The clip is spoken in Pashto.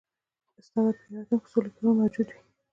استاده په یو اتوم کې څو الکترونونه موجود وي